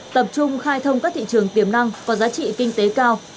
tập trung khai thông các thị trường tiềm năng có giá trị kinh tế cao